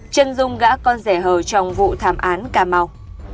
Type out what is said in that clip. trân dung gã con rẻ hờ trong vụ thảm án cà mau